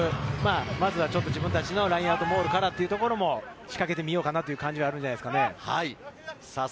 まずは自分たちのラインアウトモールからということを仕掛けてみようかなという思いがあるんじゃないですか？